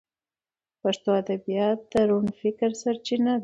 پښتو ادبیات د روڼ فکر سرچینه ده.